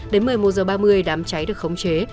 đến một mươi một h ba mươi đám cháy được khống chế